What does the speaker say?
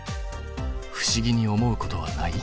不思議に思うことはない？